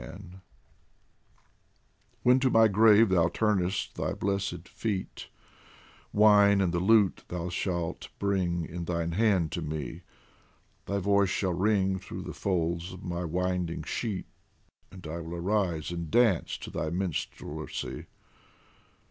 118 DIVAN OF HAFIZ When to my grave thou turnest thy blessed feet, Wine and the lute thou shalt bring in thine hand to me, Thy voice shall ring through the folds of my winding sheet, And I will arise and dance to thy minstrelsy.